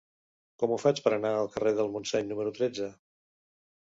Com ho faig per anar al carrer del Montseny número tretze?